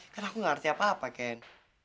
karena aku gak ngerti apa apa ken